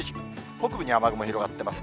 北部に雨雲広がっています。